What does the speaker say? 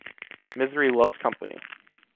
Misery loves company.